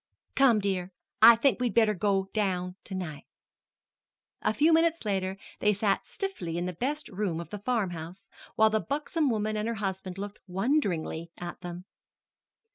"Come, dear; I think we'd better go down to night." A few minutes later they sat stiffly in the best room of the farmhouse, while the buxom woman and her husband looked wonderingly at them.